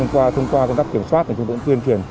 nhưng qua công tác kiểm soát chúng tôi cũng tuyên truyền